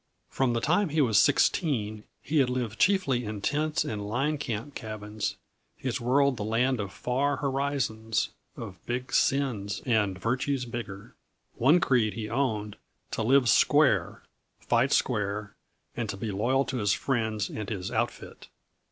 From the time he was sixteen he had lived chiefly in tents and line camp cabins, his world the land of far horizons, of big sins, and virtues bigger. One creed he owned: to live "square," fight square, and to be loyal to his friends and his "outfit."